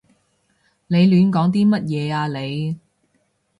你亂講啲乜嘢啊你？